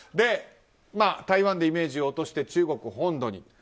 台湾でイメージを落として中国本土に。